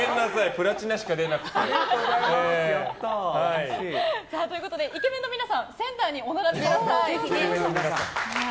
プラチナしか出なくて。ということでイケメンの皆さんセンターにお戻りください。